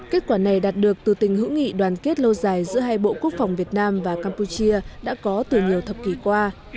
kết quả này đạt được từ tình hữu nghị đoàn kết lâu dài giữa hai bộ quốc phòng việt nam và campuchia đã có từ nhiều thập kỷ qua